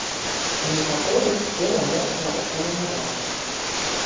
У некаторых цела моцна разгалінаванае.